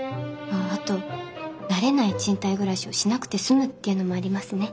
あと慣れない賃貸暮らしをしなくて済むっていうのもありますね。